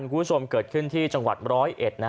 คุณผู้ชมเกิดขึ้นที่จังหวัดร้อยเอ็ด